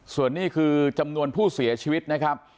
ส่วนนี้คือจำนวนผู้เสียชีวิตนะครับ